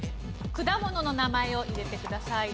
果物の名前を入れてください。